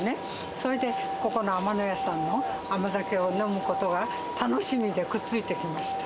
それでここの天野屋さんの甘酒を飲むことが楽しみで、くっついて来ました。